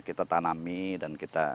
kita tanami dan kita